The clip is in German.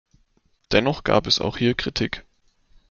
Dennoch gab es auch hier Kritik.